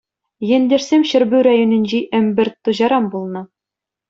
Ентешсем Ҫӗрпӳ районӗнчи Ӗмпӗрт Туҫаран пулнӑ.